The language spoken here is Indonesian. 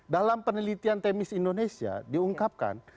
dalam penelitian temis indonesia diungkapkan